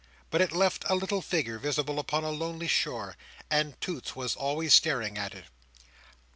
But it left a little figure visible upon a lonely shore, and Toots was always staring at it.